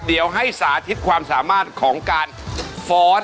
เดี๋ยวให้สาธิตความสามารถของการฟ้อน